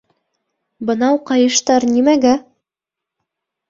— Бынау ҡайыштар нимәгә?